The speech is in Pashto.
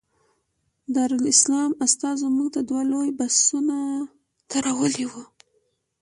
د دارالسلام استازو موږ ته دوه لوی بسونه درولي وو.